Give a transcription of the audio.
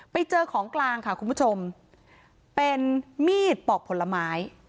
ไปเจอของกลางค่ะคุณผู้ชมเป็นมีดปอกผลไม้